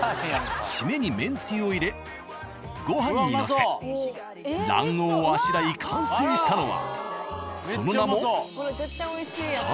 シメにめんつゆを入れご飯にのせ卵黄をあしらい完成したのはその名も。